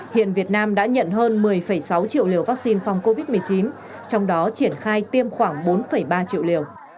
hiện việt nam đã nhận hơn một mươi sáu triệu liều vaccine phòng covid một mươi chín trong đó triển khai tiêm khoảng bốn ba triệu liều